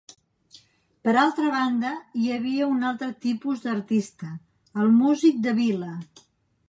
Per altra banda, hi havia un altre tipus d'artista: el músic de vila.